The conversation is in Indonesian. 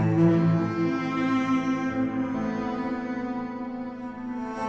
nih pundi dia